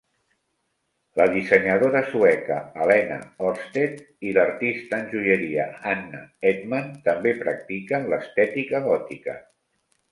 La dissenyadora sueca Helena Horstedt i l'artista en joieria Hanna Hedman també practiquen l'estètica gòtica.